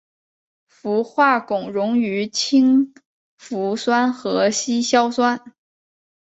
氟化汞溶于氢氟酸和稀硝酸。